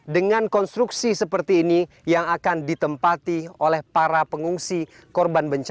dengan konstruksi seperti ini yang akan ditempati oleh para pengungsi korban bencana